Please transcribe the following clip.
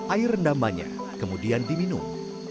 air rendamannya kemudian diminum